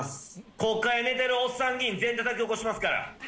国会で寝てるおっさん議員、全員たたき起こしますから。